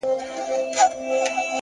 هره تجربه د ژوند نوې پوهه ورکوي!